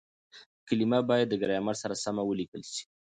کليمه بايد د ګرامر سره سمه وليکل سي.